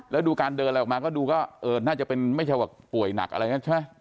แล้วดูการเดินอะไรออกมาก็ดูก็น่าจะเป็นไม่ใช่ว่าป่วยหนักอะไรอย่างนี้ใช่ไหม